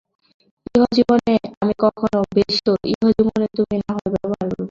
ইহজীবনে আমি কখনো– বেশ তো, ইহজীবনে তুমি নাহয় ব্যবহার করবে না।